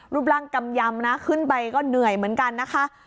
รูปร่างกำยำนะขึ้นไปก็เหนื่อยเหมือนกันนะคะ